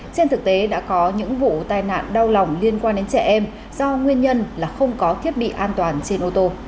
trên thực tế đã có những vụ tai nạn đau lòng liên quan đến trẻ em do nguyên nhân là không có thiết bị an toàn trên ô tô